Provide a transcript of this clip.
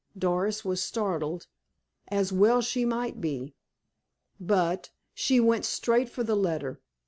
Doris was startled, as well she might be. But—she went straight for the letter.